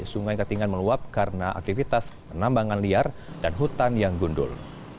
sungai katingan meluap karena aktivitas penambangan liar dan hutan yang gundul